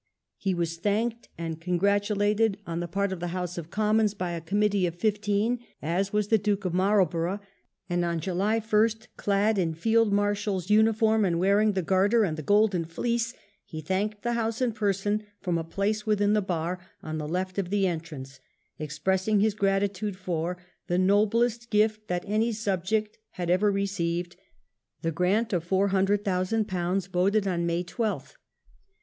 He was thanked and congratulated on the part of the House of Commons by a committee of fifteen, as was the Duke of Marlborough ; and on July 1st, clad in Field MarshaPs uniform and wearing the Garter and the Golden Fleece, he thanked the House in person from a place within the bar on the left of the entrance, expressing liis gratitude for " the noblest gift that any subject had ever received*' — the grant of £400,000 voted on May 12th.